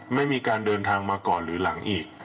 ไม่มีการเดินทางมาก่อนหรือหลังอีก